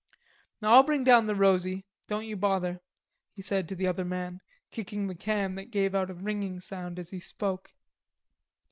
"I'll bring down the rosie, don't you bother," he said to the other man, kicking the can that gave out a ringing sound as he spoke.